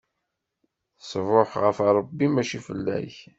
Ṣṣbuḥ ɣef Ṛebbi, mačči fell-ak!